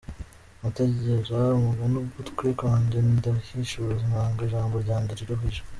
Ndategera umugani ugutwi kwanjye, Ndahishuza inanga ijambo ryanjye riruhije.